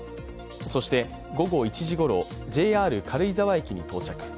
そして午後１時ごろ、ＪＲ軽井沢駅に到着。